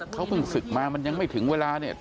เขาเพิ่งศึกมามันยังไม่ถึงเวลาเนี่ย